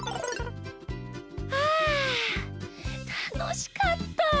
あたのしかった！